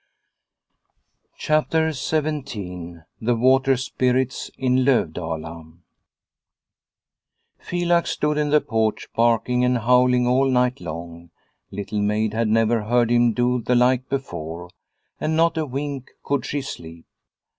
CHAPTER XVII THE WATER SPIRITS IN LOVDALA P?ELAX stood in the porch, barking and howling all night long. Little Maid had never heard him do the like before, and not a wink could she sleep.